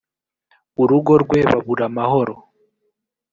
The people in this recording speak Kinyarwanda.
urugo rwe baburaamahoro